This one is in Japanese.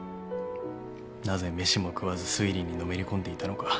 なぜ飯も食わず推理にのめり込んでいたのか。